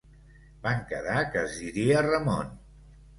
Van quedar que es diria Ramon